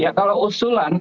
ya kalau usulan